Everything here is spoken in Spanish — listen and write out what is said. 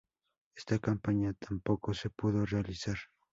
Esta campaña tampoco se pudo realizar.